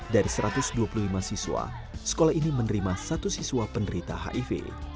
dari satu ratus dua puluh lima siswa sekolah ini menerima satu siswa penderita hiv